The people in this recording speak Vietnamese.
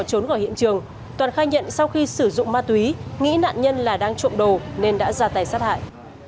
toàn đã trốn khỏi hiện trường toàn khai nhận sau khi sử dụng ma túy nghĩ nạn nhân là đang trộm đồ nên đã ra tài sát hại